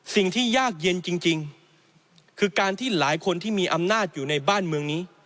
สิ่งที่ยากเย็นจริงคือการที่หลายคนที่มีอำนาจอยู่ในบ้านเมืองนี้